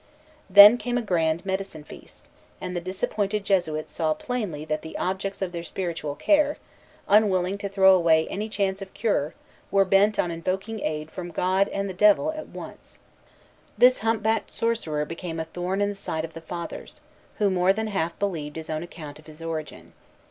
Then came a grand "medicine feast"; and the disappointed Jesuits saw plainly that the objects of their spiritual care, unwilling to throw away any chance of cure, were bent on invoking aid from God and the Devil at once. The hump backed sorcerer became a thorn in the side of the Fathers, who more than half believed his own account of his origin.